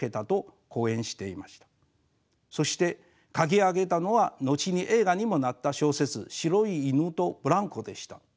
そして書き上げたのが後に映画にもなった小説「白い犬とブランコ」でした。